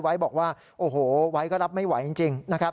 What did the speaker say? ไวท์บอกว่าโอ้โหไวท์ก็รับไม่ไหวจริง